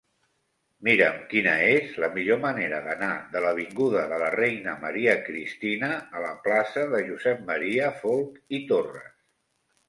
Mira'm quina és la millor manera d'anar de l'avinguda de la Reina Maria Cristina a la plaça de Josep M. Folch i Torres.